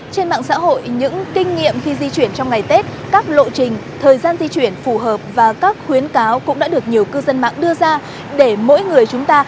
trên mạng xã hội những kinh nghiệm khi di chuyển trong ngày tết các lộ trình thời gian di chuyển phù hợp và các khuyến cáo cũng đã được nhiều cư dân mạng đưa ra để mỗi người chúng ta